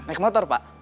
naik motor pak